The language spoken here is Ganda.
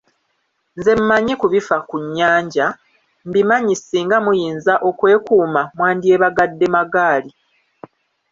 Nze mmanyi ku bifa ku nnyanja, mbimanyi singa muyinza okwekuuma mwandyebagadde magaali.